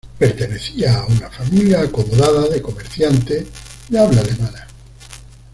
Pertenecía a una familia acomodada de comerciantes de habla alemana.